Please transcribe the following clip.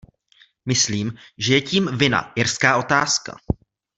Myslím, že je tím vinna irská otázka.